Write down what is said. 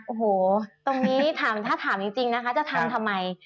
โอ้โหตรงนี้ถามถ้าถามจริงนะคะจะทำทำไม